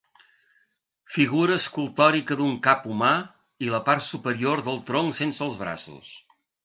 Figura escultòrica d'un cap humà i la part superior del tronc sense els braços.